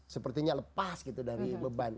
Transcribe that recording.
sepertinya lepas gitu dari beban